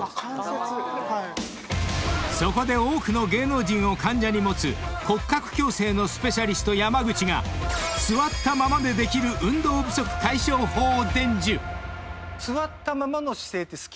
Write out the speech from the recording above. ［そこで多くの芸能人を患者に持つ骨格矯正のスペシャリスト山口が座ったままでできる運動不足解消法を伝授］